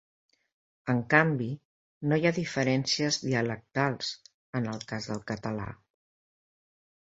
En canvi, no hi ha diferències dialectals, en el cas del català.